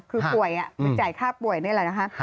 คือป่วยไปจ่ายค่าป่วยนี่แหละนะคะ